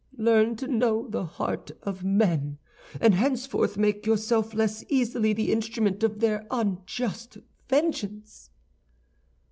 Learn to know the heart of men, and henceforth make yourself less easily the instrument of their unjust vengeance."